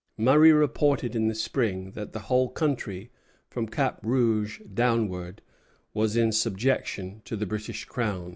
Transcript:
Murray reported in the spring that the whole country, from Cap Rouge downward, was in subjection to the British Crown.